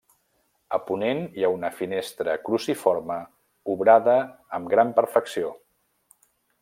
A ponent hi ha una finestra cruciforme obrada amb gran perfecció.